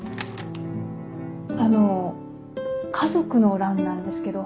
あの家族の欄なんですけど。